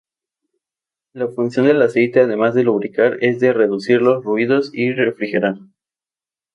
La función del aceite además de lubricar, es de reducir los ruidos y refrigerar.